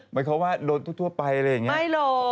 หมายความว่าโดนทั่วไปอะไรอย่างนี้ไม่รู้